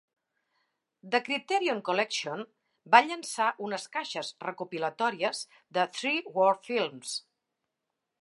The Criterion Collection va llançar unes caixes recopilatòries de Three War Films.